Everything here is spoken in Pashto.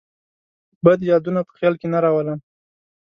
بد یادونه په خیال کې نه راولم.